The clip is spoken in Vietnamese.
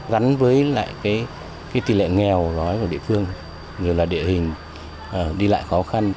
gắn với lại cái tỷ lệ nghèo nói của địa phương rồi là địa hình đi lại khó khăn